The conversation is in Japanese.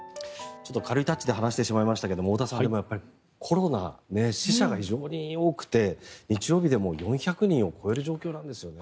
ちょっと軽いタッチで話してしまいましたが太田さん、でもコロナ死者が非常に多くて日曜日でも４００人を超える状況なんですね。